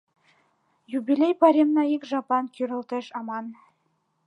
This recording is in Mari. — Юбилей пайремна ик жаплан кӱрылтеш аман.